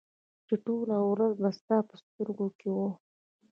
چې ټوله ورځ به ستا په سترګو کې وه